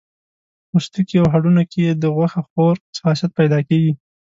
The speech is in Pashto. پوستکي او هډونو کې یې د غوښه خور خاصیت پیدا کېږي.